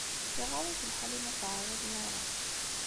Iɣaḍ-it lḥal imi ur t-ɛriḍen ara.